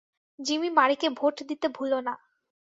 Jimmy মারিকে vote দিতে ভুলো না।